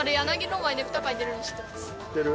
知ってる？